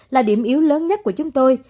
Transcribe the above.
là điểm yếu lớn nhất của chúng tôi